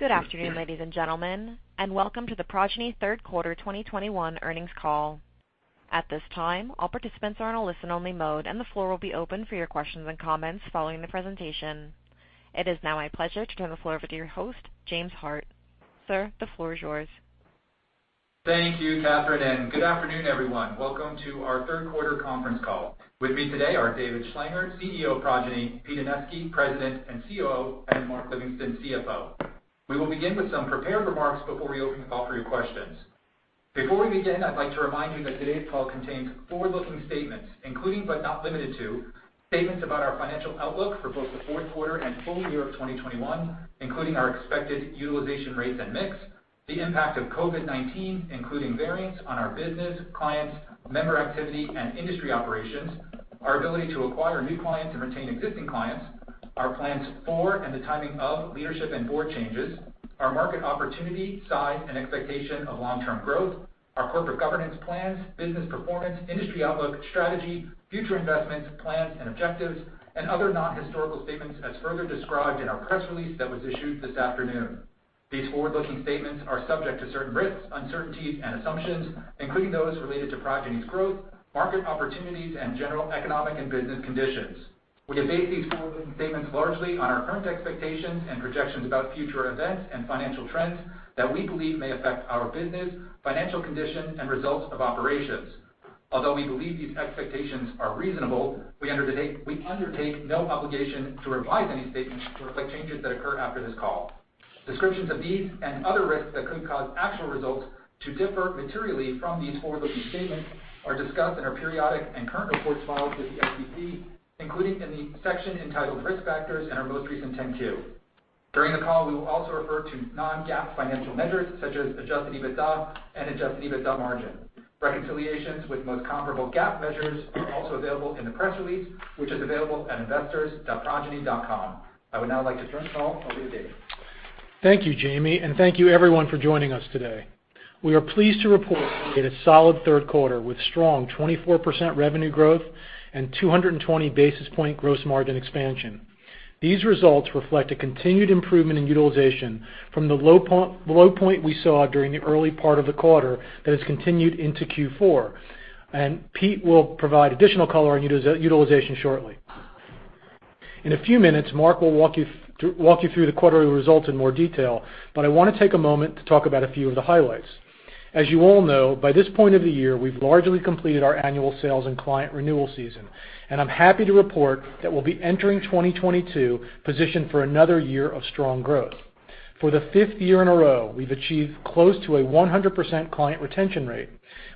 Good afternoon, Ladies and Gentlemen, and welcome to the Progyny Third Quarter 2021 Earnings Call. At this time, all participants are in a listen-only mode, and the floor will be open for your questions and comments following the presentation. It is now my pleasure to turn the floor over to your host, James Hart. Sir, the floor is yours. Thank you, Catherine, and good afternoon, everyone. Welcome to our third quarter conference call. With me today are David Schlanger, CEO of Progyny, Pete Anevski, President and COO, and Mark Livingston, CFO. We will begin with some prepared remarks before we open the call for your questions. Before we begin, I'd like to remind you that today's call contains forward-looking statements, including, but not limited to, statements about our financial outlook for both the fourth quarter and full year of 2021, including our expected utilization rates and mix, the impact of COVID-19, including variants on our business, clients, member activity, and industry operations, our ability to acquire new clients and retain existing clients, our plans for and the timing of leadership and board changes, our market opportunity, size, and expectation of long-term growth, our corporate governance plans, business performance, industry outlook, strategy, future investments, plans, and objectives, and other non-historical statements as further described in our press release that was issued this afternoon. These forward-looking statements are subject to certain risks, uncertainties, and assumptions, including those related to Progyny's growth, market opportunities, and general economic and business conditions. We debate these forward-looking statements largely on our current expectations and projections about future events and financial trends that we believe may affect our business, financial condition, and results of operations. Although we believe these expectations are reasonable, we undertake no obligation to revise any statements to reflect changes that occur after this call. Descriptions of these and other risks that could cause actual results to differ materially from these forward-looking statements are discussed in our periodic and current reports filed with the SEC, including in the section entitled Risk Factors in our most recent 10-Q. During the call, we will also refer to non-GAAP financial measures such as adjusted EBITDA and adjusted EBITDA margin. Reconciliations with most comparable GAAP measures are also available in the press release, which is available at investors.progyny.com. I would now like to turn the call over to David. Thank you, James, and thank you everyone for joining us today. We are pleased to report we had a solid third quarter with strong 24% revenue growth and 220 basis point gross margin expansion. These results reflect a continued improvement in utilization from the low point we saw during the early part of the quarter that has continued into Q4. And Pete will provide additional color on utilization shortly. In a few minutes, Mark will walk you through the quarterly results in more detail, but I wanna take a moment to talk about a few of the highlights. As you all know, by this point of the year, we've largely completed our annual sales and client renewal season, and I'm happy to report that we'll be entering 2022 positioned for another year of strong growth. For the fifth year in a row, we've achieved close to a 100% client retention rate.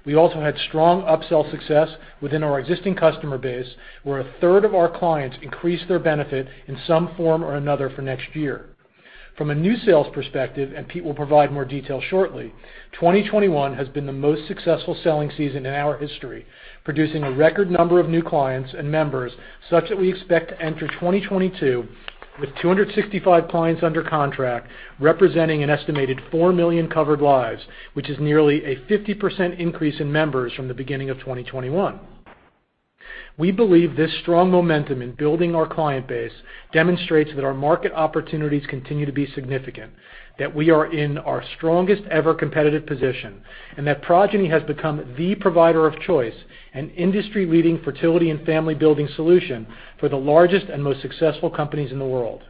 We also had strong upsell success within our existing customer base, where a third of our clients increased their benefit in some form or another for next year. From a new sales perspective, and Pete will provide more detail shortly, 2021 has been the most successful selling season in our history, producing a record number of new clients and members such that we expect to enter 2022 with 265 clients under contract, representing an estimated 4 million covered lives, which is nearly a 50% increase in members from the beginning of 2021. We believe this strong momentum in building our client base demonstrates that our market opportunities continue to be significant, that we are in our strongest-ever competitive position, and that Progyny has become the Provider of Choice, an Industry-Leading Fertility and Family-Building Solution for the largest and most successful companies in the world.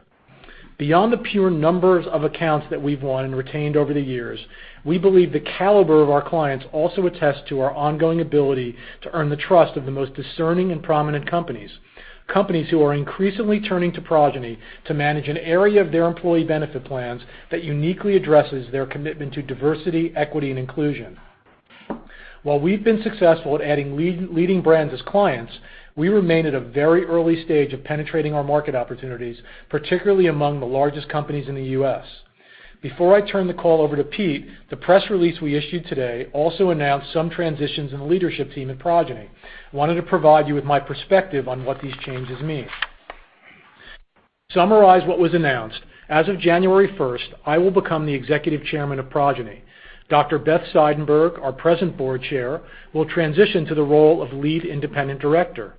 Beyond the pure numbers of accounts that we've won and retained over the years, we believe the caliber of our clients also attests to our ongoing ability to earn the trust of the most discerning and prominent companies who are increasingly turning to Progyny to manage an area of their employee benefit plans that uniquely addresses their Commitment to Diversity, Equity, and Inclusion. While we've been successful at adding leading brands as clients, we remain at a very early stage of penetrating our market opportunities, particularly among the largest companies in the U.S. Before I turn the call over to Pete, the press release we issued today also announced some transitions in the leadership team at Progyny. I wanted to provide you with my perspective on what these changes mean. Let me summarize what was announced. As of January 1st, I will become the Executive Chairman of Progyny. Dr. Beth Seidenberg, our present Board Chair, will transition to the role of Lead Independent Director.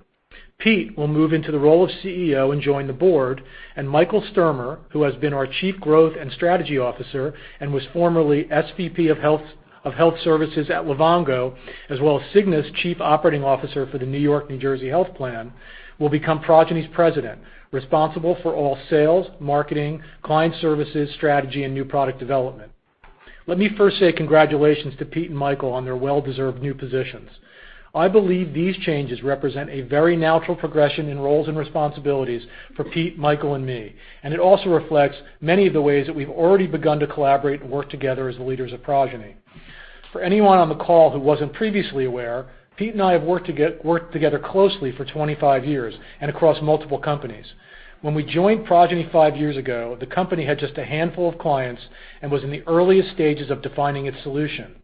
Pete will move into the role of CEO and join the board, and Michael Sturmer, who has been our Chief Growth and Strategy Officer and was formerly SVP of Health Services at Livongo, as well as Cigna's Chief Operating Officer for the New York-New Jersey Health Plan, will become Progyny's President, responsible for all Sales, Marketing, Client Services, Strategy, and New Product Development. Let me first say congratulations to Pete and Michael on their well-deserved new positions. I believe these changes represent a very natural progression in roles and responsibilities for Pete, Michael, and me. And it also reflects many of the ways that we've already begun to collaborate and work together as the leaders of Progyny. For anyone on the call who wasn't previously aware, Pete and I have worked together closely for 25 years and across multiple companies. When we joined Progyny five years ago, the company had just a handful of clients and was in the earliest stages of defining its solution.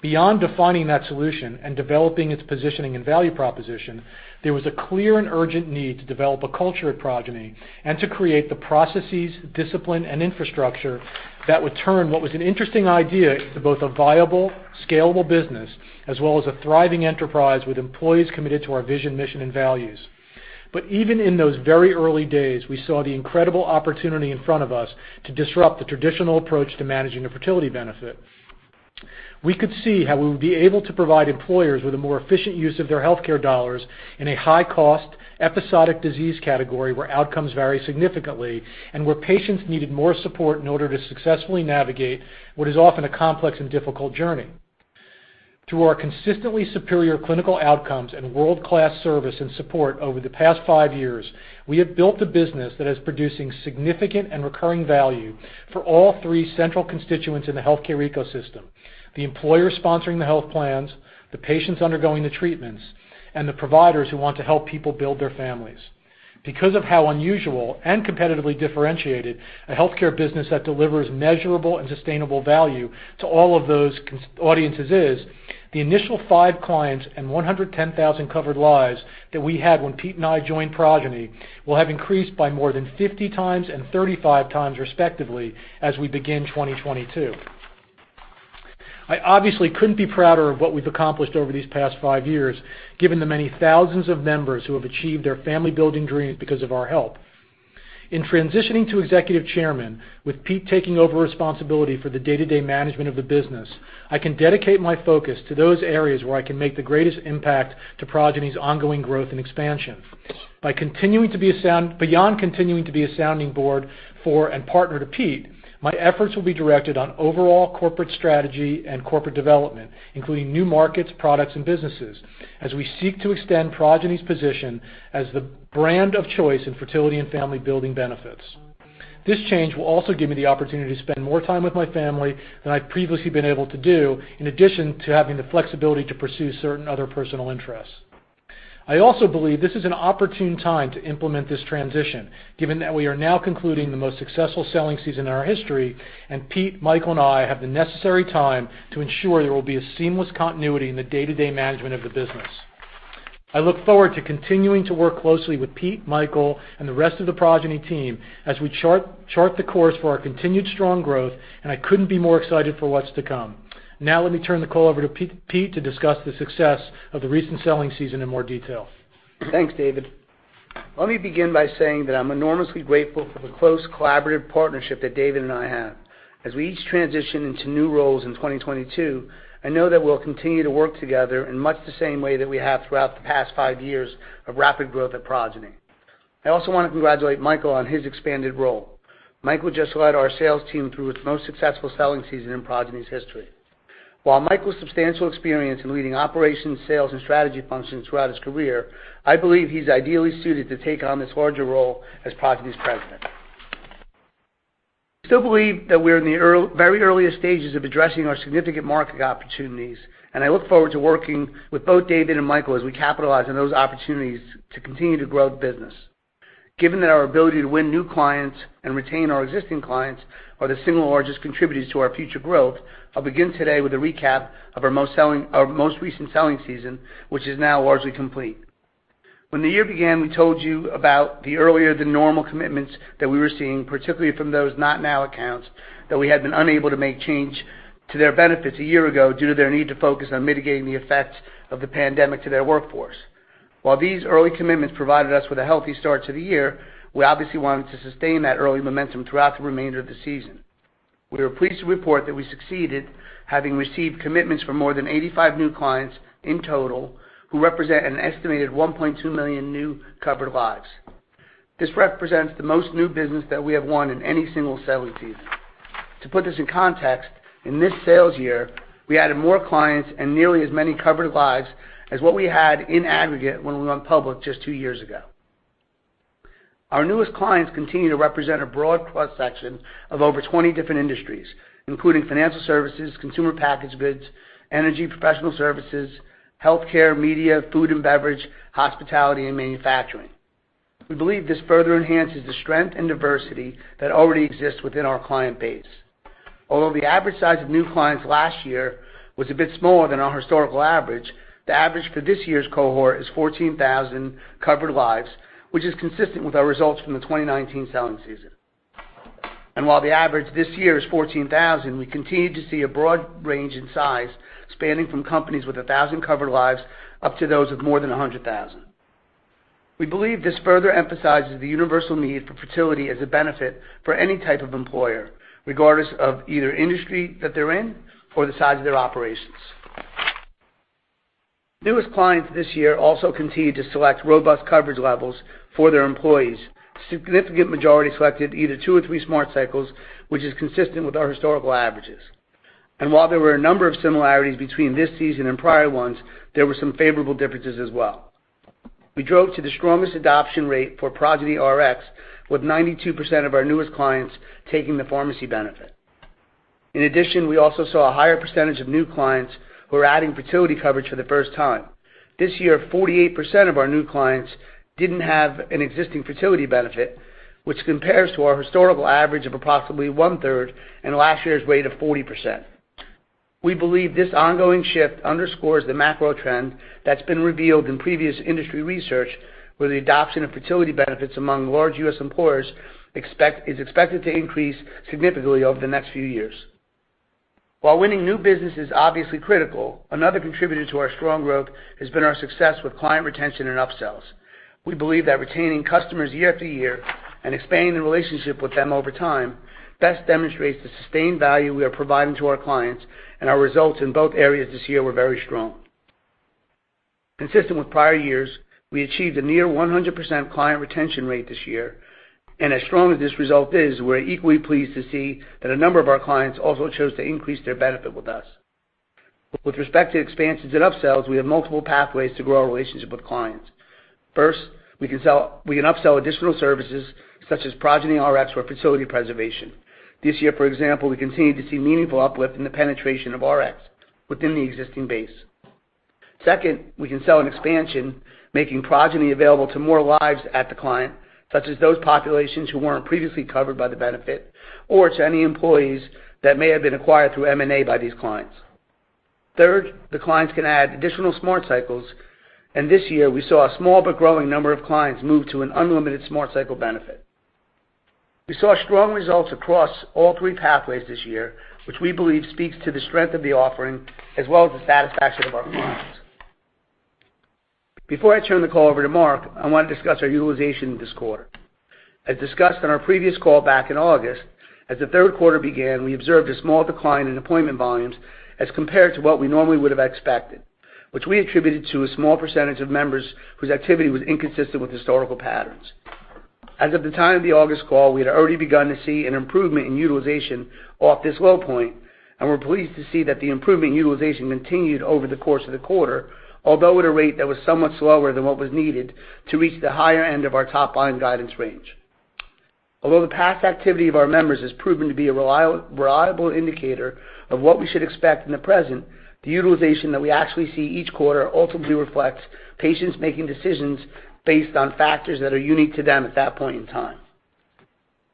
Beyond defining that solution and developing its positioning and value proposition, there was a clear and urgent need to develop a culture at Progyny and to create the Processes, Discipline, and Infrastructure that would turn what was an interesting idea to both a viable, scalable business as well as a thriving enterprise with employees committed to our Vision, Mission, and Values. Even in those very early days, we saw the incredible opportunity in front of us to disrupt the traditional approach to managing a Fertility Benefit. We could see how we would be able to provide employers with a more efficient use of their healthcare dollars in a high-cost, episodic disease category where outcomes vary significantly and where patients needed more support in order to successfully navigate what is often a complex and difficult journey. Through our consistently superior clinical outcomes and world-class service and support over the past five years, we have built a business that is producing significant and recurring value for all three central constituents in the healthcare ecosystem, the employer sponsoring the health plans, the patients undergoing the treatments, and the providers who want to help people build their families. Because of how unusual and competitively differentiated a healthcare business that delivers Measurable and Sustainable Value to all of those audiences is, the initial five clients and 110,000 covered lives that we had when Pete and I joined Progyny will have increased by more than 50x and 35x respectively as we begin 2022. I obviously couldn't be prouder of what we've accomplished over these past five years, given the many thousands of members who have achieved their family-building dreams because of our help. In transitioning to Executive Chairman, with Pete taking over responsibility for the day-to-day management of the business, I can dedicate my focus to those areas where I can make the greatest impact to Progyny's ongoing growth and expansion. By continuing to be sound-- beyond continuing to be a sounding board for and partner to Pete, my efforts will be directed on overall corporate strategy and corporate development, including New Markets, Products, and Businesses, as we seek to extend Progyny's position as the Brand of Choice in Fertility and Family-Building benefits. This change will also give me the opportunity to spend more time with my family than I've previously been able to do, in addition to having the flexibility to pursue certain other personal interests. I also believe this is an opportune time to implement this transition, given that we are now concluding the most successful selling season in our history, and Pete, Michael, and I have the necessary time to ensure there will be a seamless continuity in the day-to-day management of the business. I look forward to continuing to work closely with Pete, Michael, and the rest of the Progyny team as we chart the course for our continued strong growth, and I couldn't be more excited for what's to come. Now let me turn the call over to Pete to discuss the success of the recent selling season in more detail. Thanks, David. Let me begin by saying that I'm enormously grateful for the close collaborative partnership that David and I have. As we each transition into new roles in 2022, I know that we'll continue to work together in much the same way that we have throughout the past five years of rapid growth at Progyny. I also want to congratulate Michael on his expanded role. Michael just led our sales team through its most successful selling season in Progyny's history. With Michael's substantial experience in leading operations, sales, and strategy functions throughout his career, I believe he's ideally suited to take on this larger role as Progyny's president. I still believe that we're in the very earliest stages of addressing our significant market opportunities, and I look forward to working with both David and Michael as we capitalize on those opportunities to continue to grow the business. Given that our ability to win new clients and retain our existing clients are the single largest contributors to our future growth, I'll begin today with a recap of our most recent selling season, which is now largely complete. When the year began, we told you about the earlier than normal commitments that we were seeing, particularly from those not won accounts that we had been unable to make changes to their benefits a year ago due to their need to focus on mitigating the effects of the pandemic on their workforce. While these early commitments provided us with a healthy start to the year, we obviously wanted to sustain that early momentum throughout the remainder of the season. We are pleased to report that we succeeded, having received commitments from more than 85 new clients in total who represent an estimated 1.2 million new covered lives. This represents the most new business that we have won in any single selling season. To put this in context, in this sales year, we added more clients and nearly as many covered lives as what we had in aggregate when we went public just two years ago. Our newest clients continue to represent a broad cross-section of over 20 different industries, including financial services, consumer packaged goods, energy, professional services, healthcare, media, food and beverage, hospitality, and manufacturing. We believe this further enhances the strength and diversity that already exists within our client base. Although the average size of new clients last year was a bit smaller than our historical average, the average for this year's cohort is 14,000 covered lives, which is consistent with our results from the 2019 selling season. While the average this year is 14,000, we continue to see a broad range in size, spanning from companies with 1,000 covered lives up to those with more than 100,000. We believe this further emphasizes the universal need for fertility as a benefit for any type of employer, regardless of either industry that they're in or the size of their operations. Newest clients this year also continue to select robust coverage levels for their employees. Significant majority selected either two or three Smart Cycles, which is consistent with our historical averages. While there were a number of similarities between this season and prior ones, there were some favorable differences as well. We drove to the strongest adoption rate for Progyny Rx, with 92% of our newest clients taking the Pharmacy Benefit. In addition, we also saw a higher percentage of new clients who are adding fertility coverage for the first time. This year, 48% of our new clients didn't have an existing fertility benefit, which compares to our historical average of approximately one-third and last year's rate of 40%. We believe this ongoing shift underscores the macro trend that's been revealed in previous industry research, where the adoption of fertility benefits among large U.S. employers is expected to increase significantly over the next few years. While winning new business is obviously critical, another contributor to our strong growth has been our success with client retention and up-sells. We believe that retaining customers year after year and expanding the relationship with them over time best demonstrates the sustained value we are providing to our clients, and our results in both areas this year were very strong. Consistent with prior years, we achieved a near 100% client retention rate this year. As strong as this result is, we're equally pleased to see that a number of our clients also chose to increase their benefit with us. With respect to expansions and up-sells, we have multiple pathways to grow our relationship with clients. First, we can up-sell additional services such as Progyny Rx or fertility preservation. This year, for example, we continue to see meaningful uplift in the penetration of Rx within the existing base. Second, we can sell an expansion, making Progyny available to more lives at the client, such as those populations who weren't previously covered by the benefit or to any employees that may have been acquired through M&A by these clients. Third, the clients can add additional Smart Cycles, and this year we saw a small but growing number of clients move to an unlimited Smart Cycle benefit. We saw strong results across all three pathways this year, which we believe speaks to the strength of the offering as well as the satisfaction of our clients. Before I turn the call over to Mark, I want to discuss our utilization this quarter. As discussed on our previous call back in August, as the third quarter began, we observed a small decline in appointment volumes as compared to what we normally would have expected, which we attributed to a small percentage of members whose activity was inconsistent with historical patterns. As of the time of the August call, we had already begun to see an improvement in utilization off this low point, and we're pleased to see that the improvement in utilization continued over the course of the quarter, although at a rate that was somewhat slower than what was needed to reach the higher end of our top line guidance range. Although the past activity of our members has proven to be a reliable indicator of what we should expect in the present, the utilization that we actually see each quarter ultimately reflects patients making decisions based on factors that are unique to them at that point in time.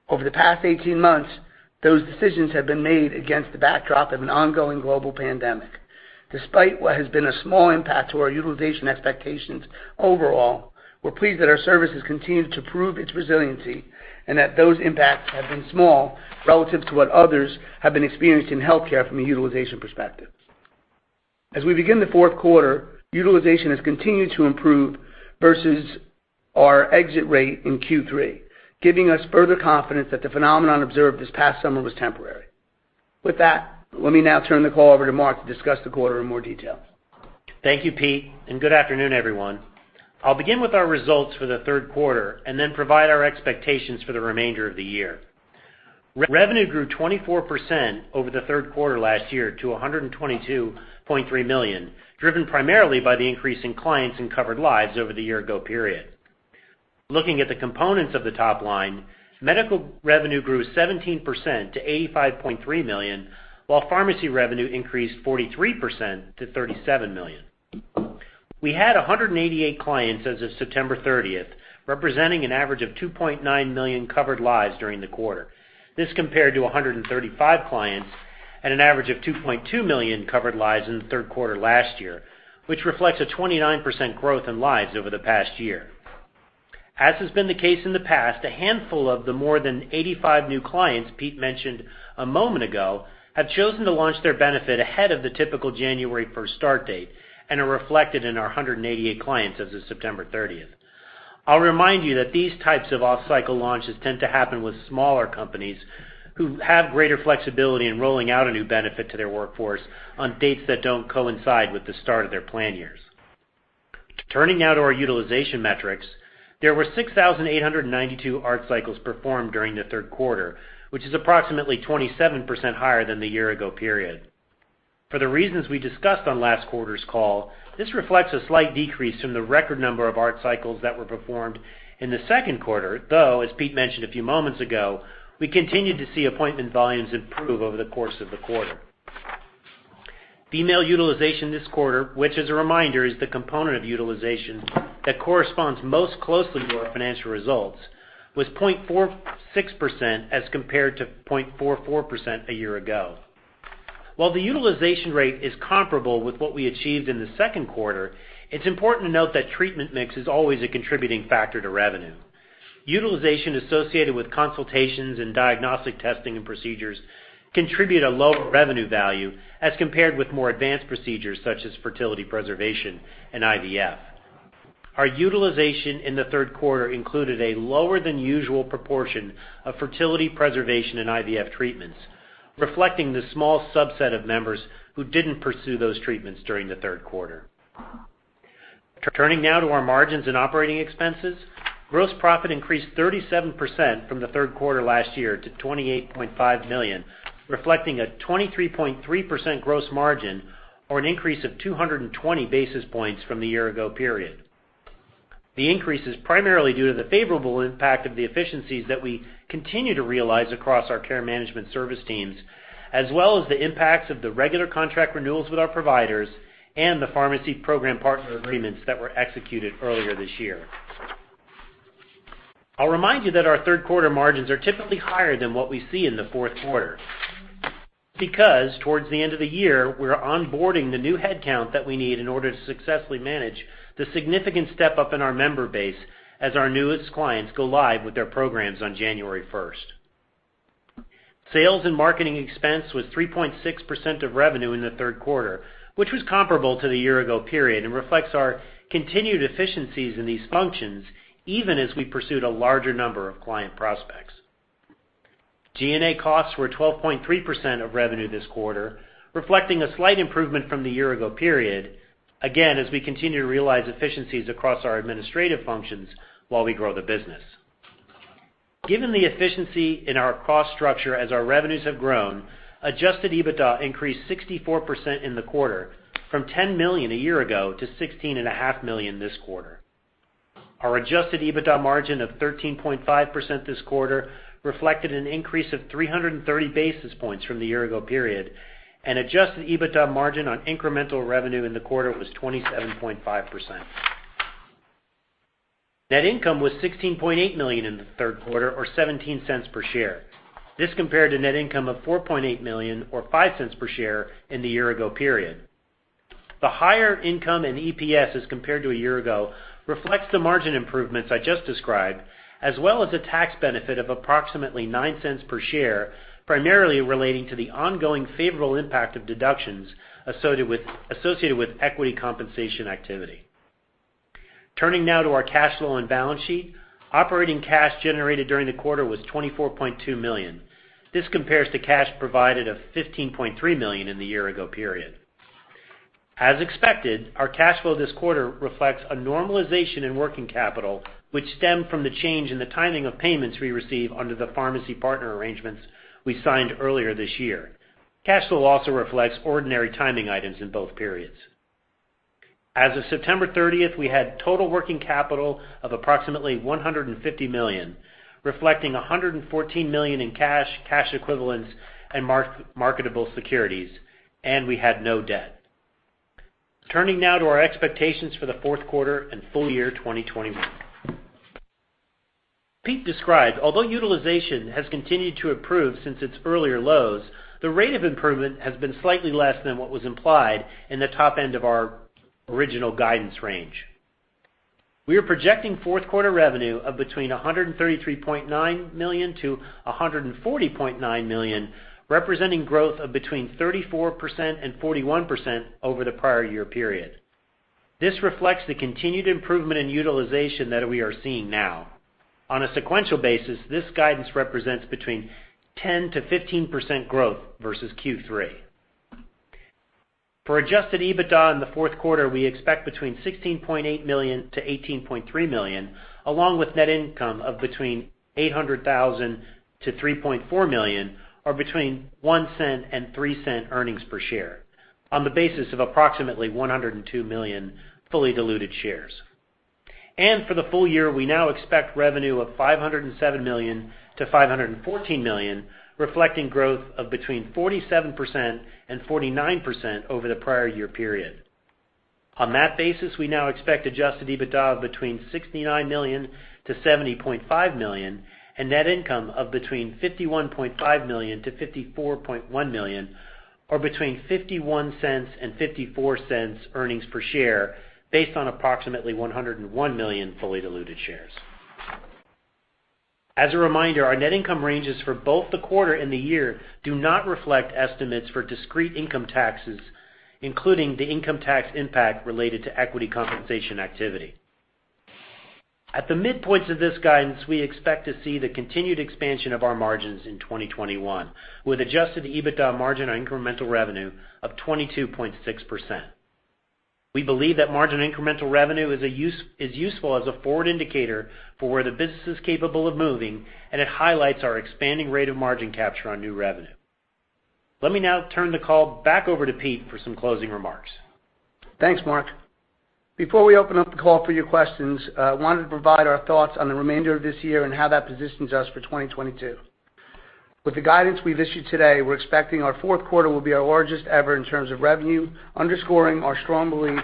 Over the past 18 months, those decisions have been made against the backdrop of an ongoing global pandemic. Despite what has been a small impact to our utilization expectations overall, we're pleased that our services continue to prove its resiliency and that those impacts have been small relative to what others have been experiencing in healthcare from a utilization perspective. As we begin the fourth quarter, utilization has continued to improve versus our exit rate in Q3, giving us further confidence that the phenomenon observed this past summer was temporary. With that, let me now turn the call over to Mark to discuss the quarter in more detail. Thank you, Pete, and good afternoon, everyone. I'll begin with our results for the third quarter and then provide our expectations for the remainder of the year. Revenue grew 24% over the third quarter last year to $122.3 million, driven primarily by the increase in clients and covered lives over the year ago period. Looking at the components of the top line, medical revenue grew 17% to $85.3 million, while pharmacy revenue increased 43% to $37 million. We had 188 clients as of September 30th, representing an average of 2.9 million covered lives during the quarter. This compared to 135 clients at an average of 2.2 million covered lives in the third quarter last year, which reflects a 29% growth in lives over the past year. As has been the case in the past, a handful of the more than 85 new clients Pete mentioned a moment ago have chosen to launch their benefit ahead of the typical January 1st start date and are reflected in our 188 clients as of September 30th. I'll remind you that these types of off-cycle launches tend to happen with smaller companies who have greater flexibility in rolling out a new benefit to their workforce on dates that don't coincide with the start of their plan years. Turning now to our Utilization Metrics. There were 6,892 ART cycles performed during the third quarter, which is approximately 27% higher than the year ago period. For the reasons we discussed on last quarter's call, this reflects a slight decrease from the record number of ART cycles that were performed in the second quarter, though as Pete mentioned a few moments ago, we continued to see appointment volumes improve over the course of the quarter. Female utilization this quarter, which as a reminder, is the component of utilization that corresponds most closely to our financial results, was 0.46% as compared to 0.44% a year ago. While the utilization rate is comparable with what we achieved in the second quarter, it's important to note that treatment mix is always a contributing factor to revenue. Utilization associated with consultations and diagnostic testing and procedures contribute a lower revenue value as compared with more advanced procedures such as Fertility Preservation and IVF. Our utilization in the third quarter included a lower than usual proportion of Fertility Preservation and IVF treatments, reflecting the small subset of members who didn't pursue those treatments during the third quarter. Turning now to our Margins and Operating Expenses. Gross profit increased 37% from the third quarter last year to $28.5 million, reflecting a 23.3% gross margin or an increase of 220 basis points from the year ago period. The increase is primarily due to the favorable impact of the efficiencies that we continue to realize across our care management service teams, as well as the impacts of the regular contract renewals with our providers and the pharmacy program partner agreements that were executed earlier this year. I'll remind you that our third quarter margins are typically higher than what we see in the fourth quarter, because towards the end of the year, we're onboarding the new headcount that we need in order to successfully manage the significant step up in our member base as our newest clients go live with their programs on January 1st. Sales and Marketing Expense was 3.6% of revenue in the third quarter, which was comparable to the year-ago period and reflects our continued efficiencies in these functions, even as we pursued a larger number of client prospects. G&A costs were 12.3% of revenue this quarter, reflecting a slight improvement from the year ago period. Again, as we continue to realize efficiencies across our administrative functions while we grow the business. Given the efficiency in our cost structure as our revenues have grown, Adjusted EBITDA increased 64% in the quarter from $10 million a year ago to 16.5 million this quarter. Our Adjusted EBITDA margin of 13.5% this quarter reflected an increase of 330 basis points from the year ago period, and Adjusted EBITDA margin on incremental revenue in the quarter was 27.5%. Net income was $16.8 million in the third quarter or $0.17 per share. This compared to net income of $4.8 million or 0.05 per share in the year ago period. The higher income in EPS as compared to a year ago reflects the margin improvements I just described, as well as a tax benefit of approximately $0.09 per share, primarily relating to the ongoing favorable impact of deductions associated with equity compensation activity. Turning now to our cash flow and balance sheet. Operating cash generated during the quarter was $24.2 million. This compares to cash provided of $15.3 million in the year ago period. As expected, our cash flow this quarter reflects a normalization in working capital, which stemmed from the change in the timing of payments we receive under the pharmacy partner arrangements we signed earlier this year. Cash flow also reflects ordinary timing items in both periods. As of September 30th, we had total working capital of approximately $150 million, reflecting 114 million in cash equivalents, and marketable securities, and we had no debt. Turning now to our expectations for the fourth quarter and full year 2021. Pete described, although utilization has continued to improve since its earlier lows, the rate of improvement has been slightly less than what was implied in the top end of our original guidance range. We are projecting fourth quarter revenue of between $133.9 million to 140.9 million, representing growth of between 34% and 41% over the prior year period. This reflects the continued improvement in utilization that we are seeing now. On a sequential basis, this guidance represents between 10%-15% growth versus Q3. For Adjusted EBITDA in the fourth quarter, we expect between $16.8 million to 18.3 million, along with net income of between $800,000 to 3.4 million, or between $0.01 and 0.03 Earnings per Share on the basis of approximately 102 million fully diluted shares. For the full year, we now expect revenue of $507 million to 514 million, reflecting growth of between 47% and 49% over the prior year period. On that basis, we now expect Adjusted EBITDA of between $69 million to 70.5 million and net income of between $51.5 million to 54.1 million, or between $0.51 and 0.54 Earnings per Share based on approximately 101 million fully diluted shares. As a reminder, our net income ranges for both the quarter and the year do not reflect estimates for discrete income taxes, including the income tax impact related to equity compensation activity. At the midpoints of this guidance, we expect to see the continued expansion of our margins in 2021, with Adjusted EBITDA margin on incremental revenue of 22.6%. We believe that margin incremental revenue is useful as a forward indicator for where the business is capable of moving, and it highlights our expanding rate of margin capture on new revenue. Let me now turn the call back over to Pete for some closing remarks. Thanks, Mark. Before we open up the call for your questions, I wanted to provide our thoughts on the remainder of this year and how that positions us for 2022. With the guidance we've issued today, we're expecting our fourth quarter will be our largest ever in terms of revenue, underscoring our strong belief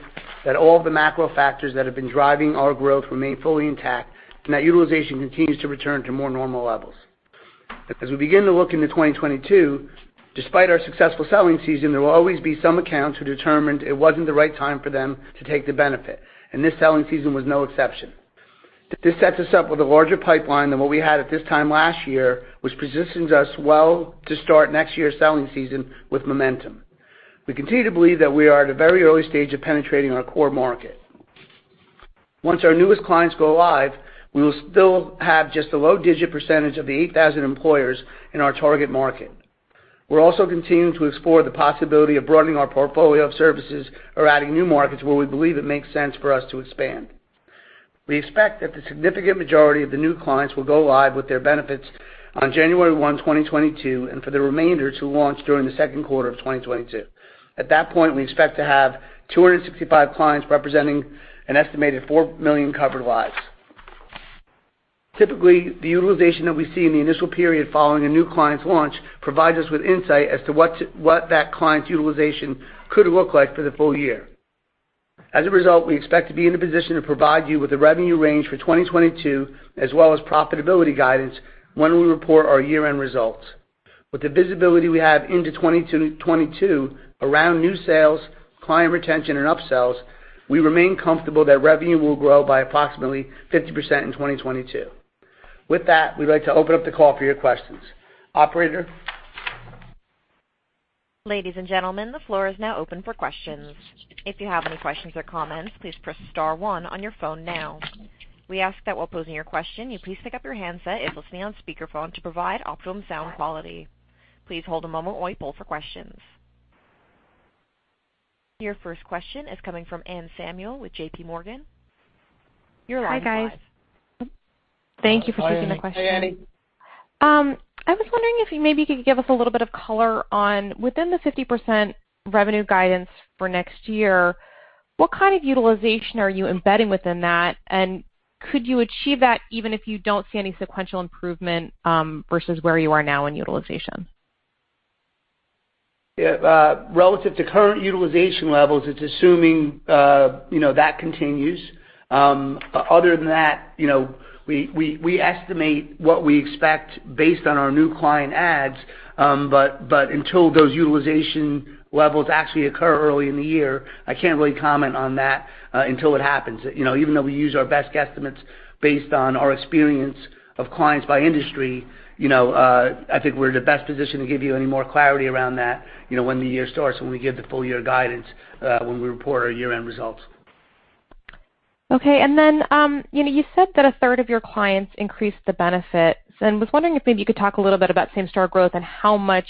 that all the macro factors that have been driving our growth remain fully intact, and that utilization continues to return to more normal levels. As we begin to look into 2022, despite our successful selling season, there will always be some accounts who determined it wasn't the right time for them to take the benefit, and this selling season was no exception. This sets us up with a larger pipeline than what we had at this time last year, which positions us well to start next year's selling season with momentum. We continue to believe that we are at a very early stage of penetrating our core market. Once our newest clients go live, we will still have just a low single-digit percentage of the 8,000 employers in our target market. We're also continuing to explore the possibility of broadening our portfolio of services or adding new markets where we believe it makes sense for us to expand. We expect that the significant majority of the new clients will go live with their benefits on January 1, 2022, and for the remainder to launch during the second quarter of 2022. At that point, we expect to have 265 clients representing an estimated 4 million covered lives. Typically, the utilization that we see in the initial period following a new client's launch provides us with insight as to what that client's utilization could look like for the full year. As a result, we expect to be in a position to provide you with the revenue range for 2022 as well as profitability guidance when we report our year-end results. With the visibility we have into 2022 around New Sales, Client Retention, and Upsells, we remain comfortable that revenue will grow by approximately 50% in 2022. With that, we'd like to open up the call for your questions. Operator? Ladies and gentlemen, the floor is now open for questions. If you have any questions or comments, please press star one on your phone now. We ask that while posing your question, you please pick up your handset if listening on speakerphone to provide optimum sound quality. Please hold a moment while we poll for questions. Your first question is coming from Anne Samuel with JPMorgan. Your line is live. Hi, guys. Hi, Anne. Thank you for taking the question. Hey, Anne. I was wondering if you maybe could give us a little bit of color on within the 50% revenue guidance for next year, what kind of utilization are you embedding within that? Could you achieve that even if you don't see any sequential improvement versus where you are now in utilization? Yeah, relative to current utilization levels, it's assuming, you know, that continues. Other than that, you know, we estimate what we expect based on our new client adds. Until those utilization levels actually occur early in the year, I can't really comment on that, until it happens. You know, even though we use our best guesstimates based on our experience of clients by industry, you know, I think we're in the best position to give you any more clarity around that, you know, when the year starts, when we give the full year guidance, when we report our year-end results. Okay. You know, you said that a third of your clients increased the benefits, and was wondering if maybe you could talk a little bit about same-store growth and how much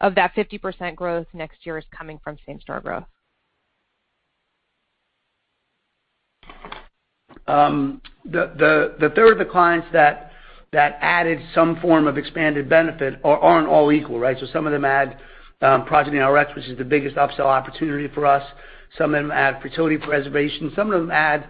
of that 50% growth next year is coming from same-store growth? The third the clients that added some form of expanded benefit aren't all equal, right? Some of them add Progyny Rx, which is the biggest upsell opportunity for us. Some of them add Fertility Preservation. Some of them add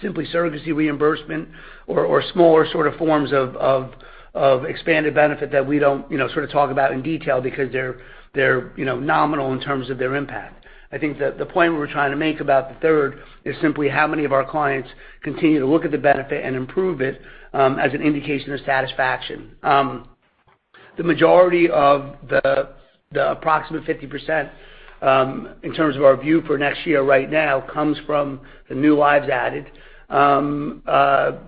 Simply Surrogacy Reimbursement or smaller sort of forms of expanded benefit that we don't, you know, sort of talk about in detail because they're, you know, nominal in terms of their impact. I think that the point we're trying to make about the third is simply how many of our clients continue to look at the benefit and improve it as an indication of satisfaction. The majority of the approximate 50% in terms of our view for next year right now comes from the new lives added. A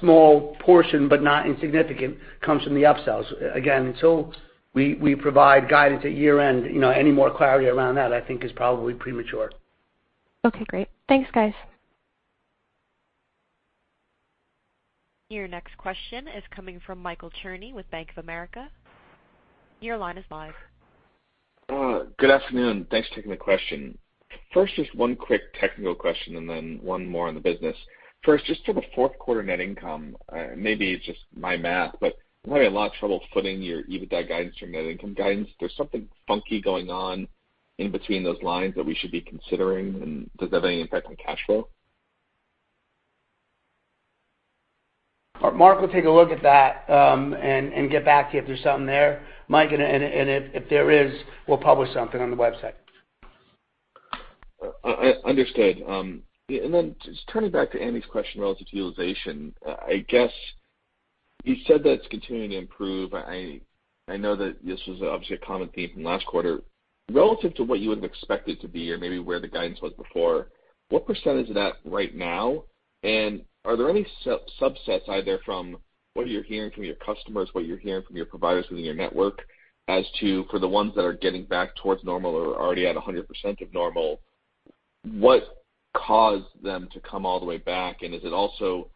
small portion, but not insignificant, comes from the upsells. Again, so, we provide guidance at year-end, you know, any more clarity around that I think is probably premature. Okay, great. Thanks, guys. Your next question is coming from Michael Cherny with Bank of America. Your line is live. Good afternoon. Thanks for taking the question. First, just one quick technical question and then one more on the business. First, just for the fourth quarter net income, maybe it's just my math, but I'm having a lot of trouble footing your EBITDA guidance from net income guidance. There's something funky going on in between those lines that we should be considering, and does that have any impact on cash flow? Mark will take a look at that, and get back to you if there's something there, Mike. If there is, we'll publish something on the website. Understood. And then, just turning back to Annie's question relative to utilization. I guess you said that it's continuing to improve, and I know that this was obviously a common theme from last quarter. Relative to what you would have expected to be or maybe where the guidance was before, what percentage of that right now? And are there any subsets either from what you're hearing from your customers, what you're hearing from your providers within your network as to for the ones that are getting back towards normal or are already at 100% of normal, what caused them to come all the way back? And it did also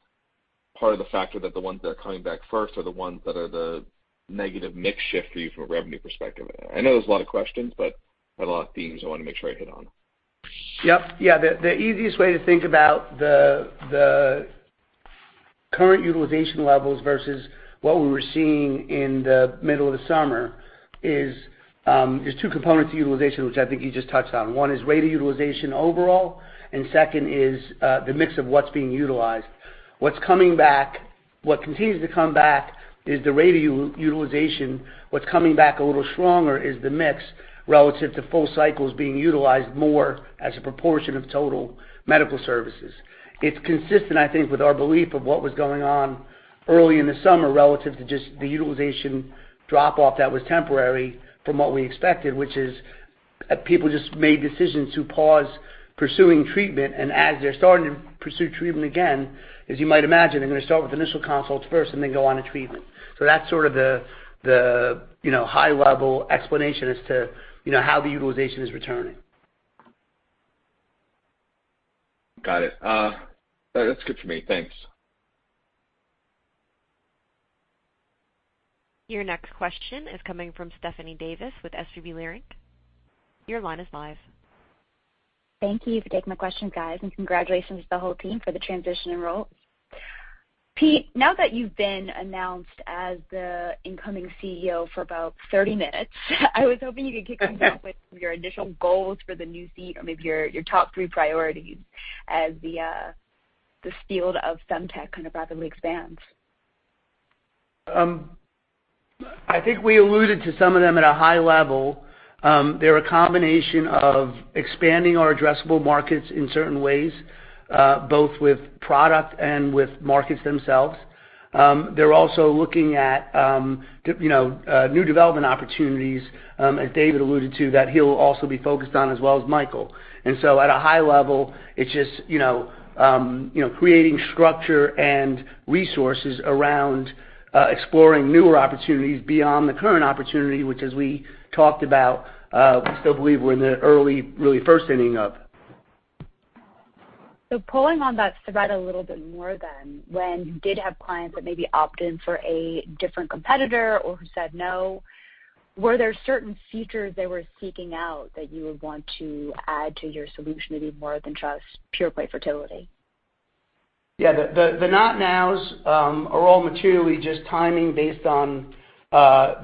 part of the factor that the ones that are coming back first are the ones that are the negative mix shift for you from a revenue perspective? I know there's a lot of questions, but there are a lot of themes I wanna make sure I hit on. Yep. Yeah. The easiest way to think about the current utilization levels versus what we were seeing in the middle of the summer is, there's two components to utilization, which I think you just touched on. One is rate of utilization overall, and second is the mix of what's being utilized. What's coming back, what continues to come back is the rate utilization. What's coming back a little stronger is the mix relative to full cycles being utilized more as a proportion of total medical services. It's consistent, I think, with our belief of what was going on early in the summer relative to just the utilization drop off that was temporary from what we expected, which is people just made decisions to pause pursuing treatment. And as they're starting to pursue treatment again, as you might imagine, they're gonna start with initial consults first and then go on to treatment. That's sort of the, you know, high level explanation as to, you know, how the utilization is returning. Got it. That's good for me. Thanks. Your next question is coming from Stephanie Davis with SVB Leerink. Your line is live. Thank you for taking my question, guys, and congratulations to the whole team for the transition and role. Pete, now that you've been announced as the incoming CEO for about 30 minutes, I was hoping you could kick us off with your initial goals for the new seat or maybe your top three priority as the, this field of femtech kind of rapidly expands? I think we alluded to some of them at a high level. They're a combination of expanding our addressable markets in certain ways, both with product and with markets themselves. They're also looking at, you know, new development opportunities, as David alluded to, that he'll also be focused on as well as Michael. At a high level, it's just, you know, you know, creating structure and resources around exploring newer opportunities beyond the current opportunity, which as we talked about, we still believe we're in the early, really first inning of. Pulling on that thread a little bit more then, when you did have clients that maybe opt in for a different competitor or who said no, were there certain features they were seeking out that you would want to add to your solution maybe more than just pure play fertility? Yeah. The not nows are all materially just timing based on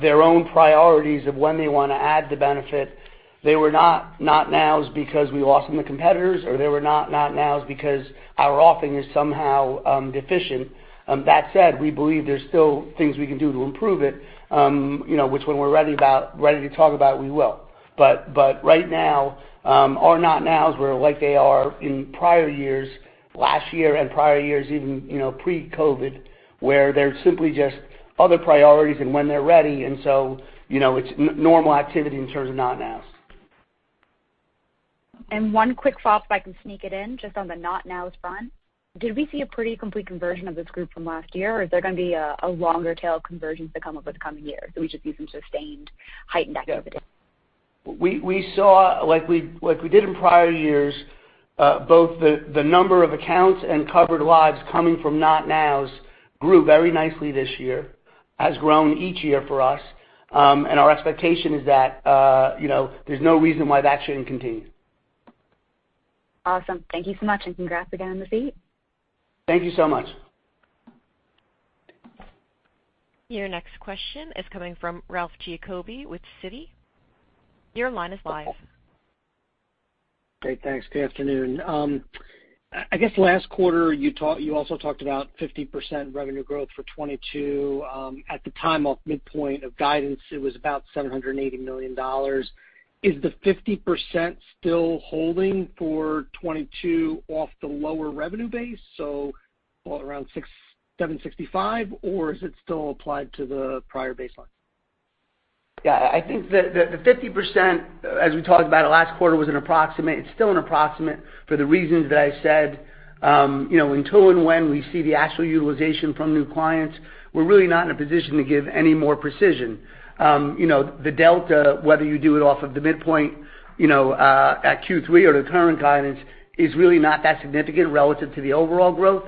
their own priorities of when they wanna add the benefit. They were not not nows because we lost them to competitors, or they were not not nows because our offering is somehow deficient. That said, we believe there's still things we can do to improve it, you know, which when we're ready to talk about, we will. Right now, our not nows were like they are in prior years, last year and prior years even, you know, pre-COVID, where there's simply just other priorities and when they're ready, and so, you know, it's normal activity in terms of not nows. And one quick follow-up if I can sneak it in, just on the not nows front. Did we see a pretty complete conversion of this group from last year, or is there gonna be a longer tail of conversions to come up with coming year? So we just need some sustained heightened activity. Yeah. We saw, like we did in prior years, both the number of accounts and covered lives coming from not nows grew very nicely this year, has grown each year for us. Our expectation is that, you know, there's no reason why that shouldn't continue. Awesome. Thank you so much, and congrats again on the feat. Thank you so much. Your next question is coming from Ralph Giacobbe with Citi. Your line is live. Great. Thanks. Good afternoon. I guess last quarter, you also talked about 50% revenue growth for 2022. At the time, off midpoint of guidance, it was about $780 million. Is the 50% still holding for 2022 off the lower revenue base, so call it around $765 or is it still applied to the prior baseline? Yeah. I think the 50%, as we talked about it last quarter, was an approximate. It's still an approximate for the reasons that I said. You know, until and when we see the actual utilization from new clients, we're really not in a position to give any more precision. You know, the delta, whether you do it off of the midpoint, you know, at Q3 or the current guidance is really not that significant relative to the overall growth.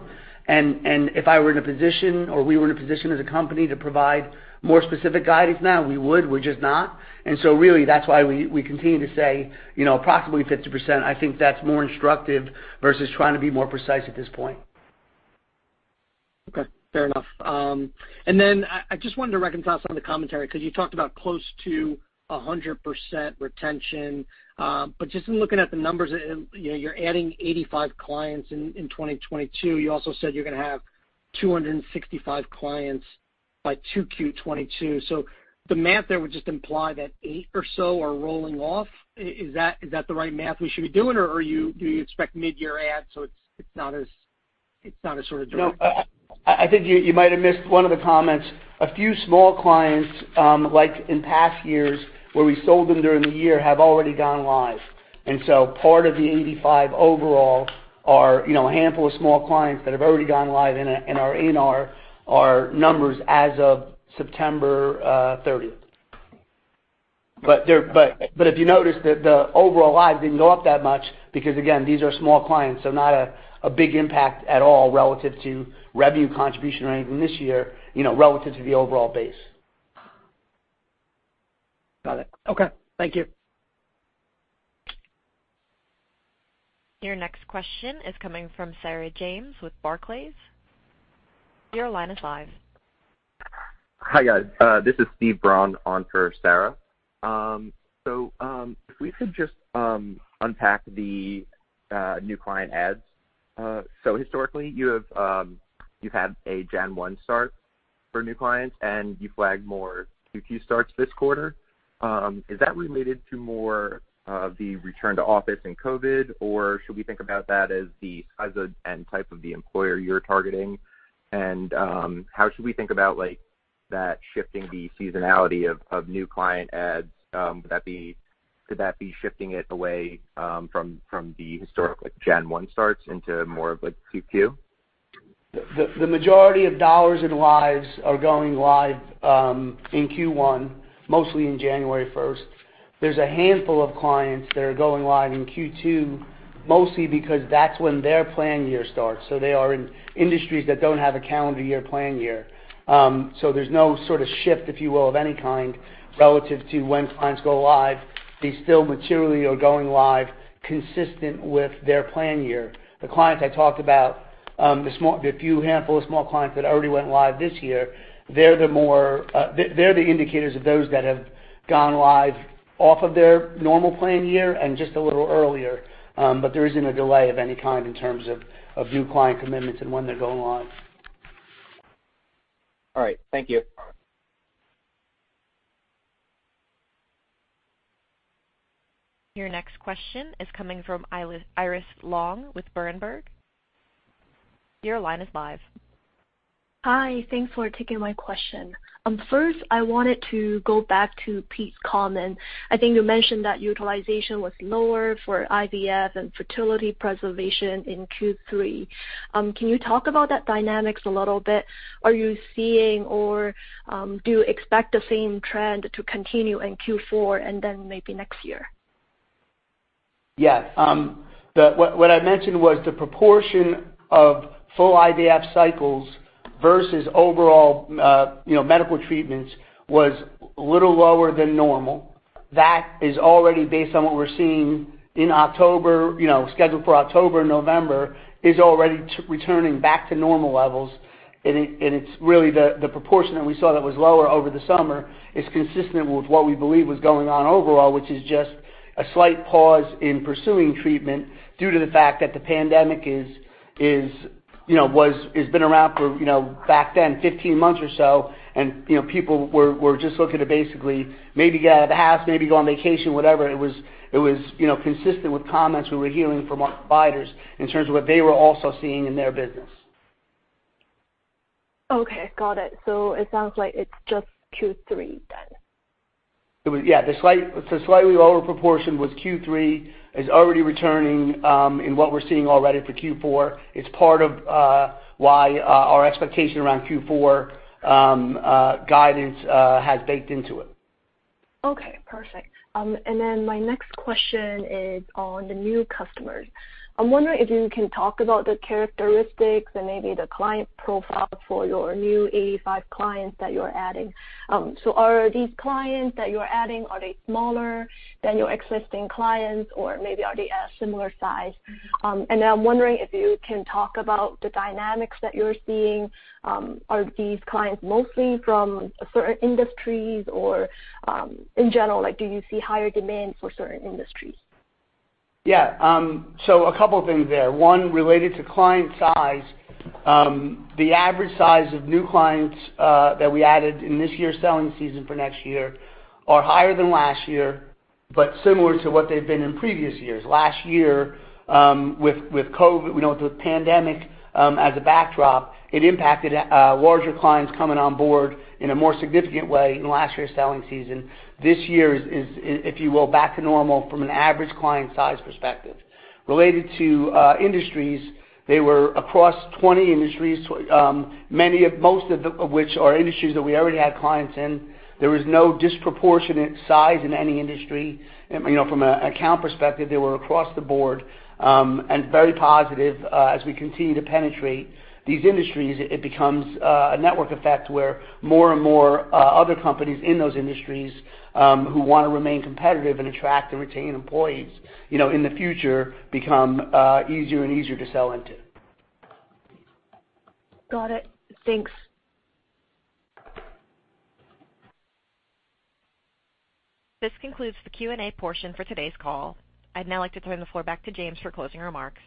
If I were in a position or we were in a position as a company to provide more specific guidance now, we would. We're just not. Really, that's why we continue to say, you know, approximately 50%, I think that's more instructive versus trying to be more precise at this point. Okay. Fair enough. I just wanted to reconcile some of the commentary because you talked about close to 100% retention. In looking at the numbers, you know, you're adding 85 clients in 2022. You also said you're gonna have 265 clients by 2Q 2022. The math there would just imply that eight or so are rolling off. Is that the right math we should be doing, or do you expect mid-year adds so it's not as sort of direct? No. I think you might have missed one of the comments. A few small clients, like in past years where we sold them during the year, have already gone live. Part of the 85 overall are, you know, a handful of small clients that have already gone live and are in our numbers as of September thirtieth. If you notice, the overall lives didn't go up that much because, again, these are small clients, so not a big impact at all relative to revenue contribution or anything this year, you know, relative to the overall base. Got it. Okay. Thank you. Your next question is coming from Sarah James with Barclays. Your line is live. Hi, guys. This is Steve Brown on for Sarah. If we could just unpack the new client adds. Historically, you've had a Jan one start for new clients, and you flagged more 2Q starts this quarter. Is that related more to the return to office and COVID, or should we think about that as the size and type of the employer you're targeting? How should we think about like that shifting the seasonality of new client adds, could that be shifting it away from the historic like Jan one starts into more of a 2Q? The majority of dollars and lives are going live in Q1, mostly in January first. There's a handful of clients that are going live in Q2, mostly because that's when their plan year starts, so they are in industries that don't have a calendar year plan year. There's no sort of shift, if you will, of any kind relative to when clients go live. They still materially are going live consistent with their plan year. The clients I talked about, the few handful of small clients that already went live this year, they're the indicators of those that have gone live off of their normal plan year and just a little earlier. There isn't a delay of any kind in terms of new client commitments and when they're going live. All right. Thank you. Your next question is coming from Iris Long with Berenberg. Your line is live. Hi. Thanks for taking my question. First I wanted to go back to Pete's comment. I think you mentioned that utilization was lower for IVF and fertility preservation in Q3. Can you talk about that dynamics a little bit? Are you seeing or do you expect the same trend to continue in Q4 and then maybe next year? Yeah. What I mentioned was the proportion of full IVF cycles versus overall, you know, medical treatments was a little lower than normal. That is already based on what we're seeing in October, you know, scheduled for October, November is already returning back to normal levels. It's really the proportion that we saw that was lower over the summer is consistent with what we believe was going on overall, which is just a slight pause in pursuing treatment due to the fact that the pandemic, you know, has been around for, you know, back then, 15 months or so, and, you know, people were just looking to basically maybe get out of the house, maybe go on vacation, whatever it was, it was, you know, consistent with comments we were hearing from our providers in terms of what they were also seeing in their business. Okay, got it. It sounds like it's just Q3 then. Yeah, the slightly lower proportion was Q3, is already returning in what we're seeing already for Q4. It's part of why our expectation around Q4 guidance has baked into it. Okay, perfect. Then my next question is on the new customers. I'm wondering if you can talk about the characteristics and maybe the client profile for your new 85 clients that you're adding. Are these clients that you're adding, are they smaller than your existing clients or maybe are they a similar size? I'm wondering if you can talk about the dynamics that you're seeing. Are these clients mostly from certain industries or, in general, like, do you see higher demand for certain industries? Yeah. A couple things there. One, related to client size, the average size of new clients that we added in this year's selling season for next year are higher than last year, but similar to what they've been in previous years. Last year, with COVID, you know, with the pandemic, as a backdrop, it impacted larger clients coming on board in a more significant way in last year's selling season. This year is, if you will, back to normal from an average client size perspective. Related to industries, they were across 20 industries, many of which are industries that we already had clients in. There was no disproportionate size in any industry. You know, from an account perspective, they were across the board, and very positive. As we continue to penetrate these industries, it becomes a network effect where more and more other companies in those industries who wanna remain competitive and attract and retain employees, you know, in the future become easier and easier to sell into. Got it. Thanks. This concludes the Q&A portion for today's call. I'd now like to turn the floor back to James for closing remarks.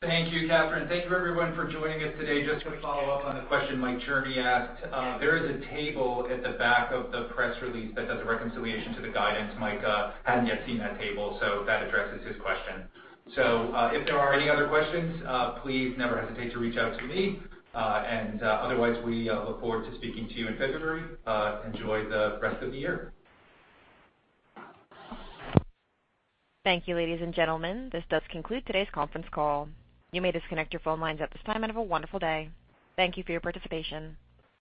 Thank you, Catherine. Thank you everyone for joining us today. Just to follow up on the question Mike Cherney asked, there is a table at the back of the press release that does a reconciliation to the guidance. Mike hadn't yet seen that table, so that addresses his question. If there are any other questions, please never hesitate to reach out to me. Otherwise, we look forward to speaking to you in February. Enjoy the rest of the year. Thank you, ladies and gentlemen. This does conclude today's conference call. You may disconnect your phone lines at this time and have a wonderful day. Thank you for your participation.